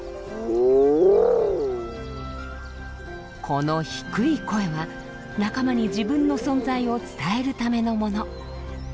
この低い声は仲間に自分の存在を伝えるためのもの。